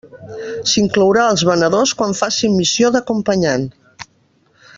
S'inclourà els venedors quan facin missió d'acompanyant.